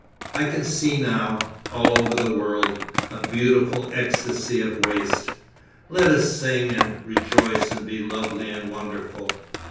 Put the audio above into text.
I can see now, all over the world, a beautiful ecstasy of waste; "Let us sing and rejoice and be lovely and wonderful."